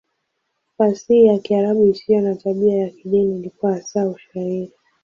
Fasihi ya Kiarabu isiyo na tabia ya kidini ilikuwa hasa Ushairi.